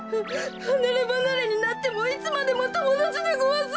はなればなれになってもいつまでもともだちでごわす。